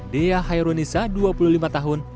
dea hairunisa dua puluh lima tahun